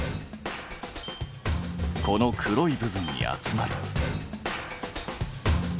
この黒い部分に集まる。